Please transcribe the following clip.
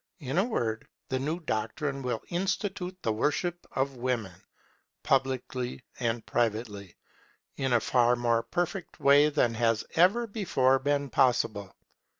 In a word the new doctrine will institute the Worship of Woman, publicly and privately, in a far more perfect way than has ever before been possible.